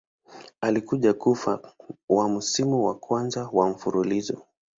Alikuja kufa wa msimu wa kwanza wa mfululizo.